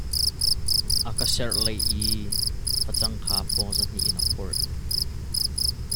A ka serhleih i facang kha pawng zahnih in a phurh.